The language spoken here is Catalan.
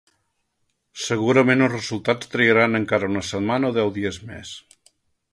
Segurament els resultats trigaran encara una setmana o deu dies més.